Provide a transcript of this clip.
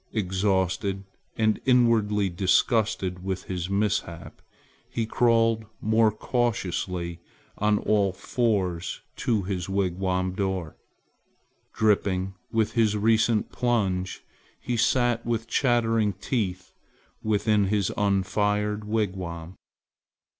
Exhausted and inwardly disgusted with his mishaps, he crawled more cautiously on all fours to his wigwam door. Dripping with his recent plunge he sat with chattering teeth within his unfired wigwam.